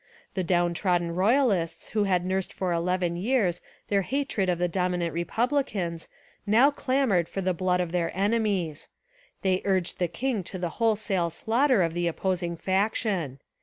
The down trodden royalists who had nursed for eleven years their hatred of the dominant re publicans now clamoured for the blood of their enemies. They urged the king to the whole sale slaughter of the opposing faction.